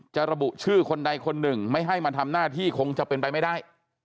ระบุชื่อคนใดคนหนึ่งไม่ให้มาทำหน้าที่คงจะเป็นไปไม่ได้